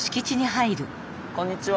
こんにちは。